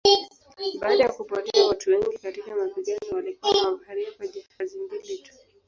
Baada ya kupotea watu wengi katika mapigano walikuwa na mabaharia kwa jahazi mbili tu.